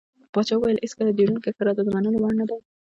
پاچا وويل هېڅکله ډيورند کرښه راته د منلو وړ نه دى.